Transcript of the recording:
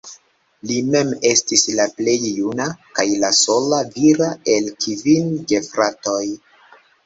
Li mem estis la plej juna, kaj la sola vira, el kvin gefratoj.